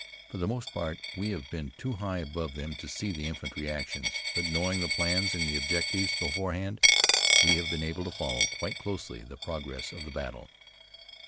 For the most part, we have been too high above them to see the infantry actions; but knowing the plans and the objectives beforehand, we have been able to follow, quite closely, the progress of the battle.